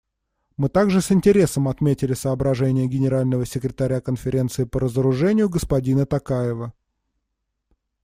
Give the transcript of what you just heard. Мы также с интересом отметили соображения Генерального секретаря Конференции по разоружению господина Токаева.